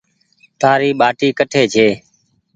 تآري ٻآٽي ڪٽي ڇي۔